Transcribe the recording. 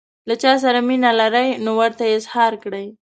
له چا سره مینه لرئ نو ورته یې اظهار کړئ.